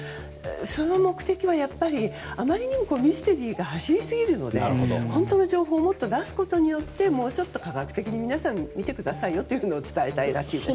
その目的はあまりにもミステリーが走りすぎるので、本当の情報をもっと出すことによってもうちょっと科学的に皆さん、見てくださいと伝えたいらしいですね。